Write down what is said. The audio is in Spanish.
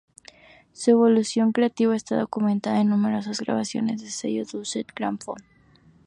Su evolución creativa está documentada en numerosas grabaciones del sello Deutsche Grammophon.